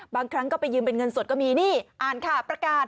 บางครั้งก็ไปยืมเป็นเงินสดก็มีนี่อ่านค่ะประกาศ